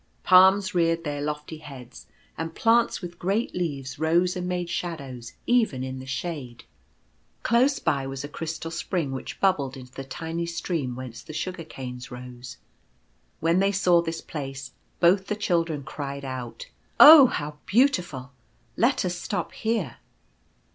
Palms reared their lofty heads, and plants with great leaves rose and made shadows even in the shade. Close by was a 172 The Glade. crystal spring which bubbled into the tiny stream whence the Sugar canes rose. When they saw this place both the children cried out, " Oh, how beautiful ! Let us stop here."